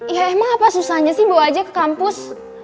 ya emang apa susahnya sih bawa aja ke kampus